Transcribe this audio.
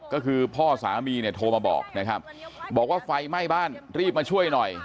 ก็คือพ่อสามีเนี่ยโทรมาบอกนะครับบอกว่าไฟไหม้บ้านรีบมาช่วยหน่อย